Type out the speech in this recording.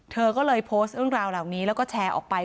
เธอก็เลยโพสต์เรื่องราวเหล่านี้แล้วก็แชร์ออกไป